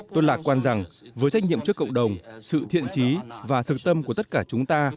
tôi lạc quan rằng với trách nhiệm trước cộng đồng sự thiện trí và thực tâm của tất cả chúng ta